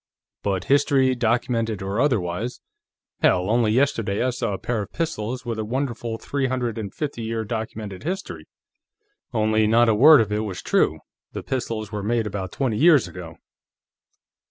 But history, documented or otherwise hell, only yesterday I saw a pair of pistols with a wonderful three hundred and fifty year documented history. Only not a word of it was true; the pistols were made about twenty years ago."